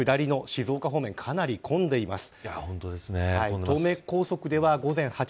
静岡方面、かなり混んでいます。